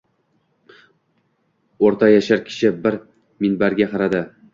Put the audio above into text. O’rta yashar kishi bir minbarga qaradi